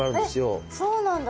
えっそうなんだ！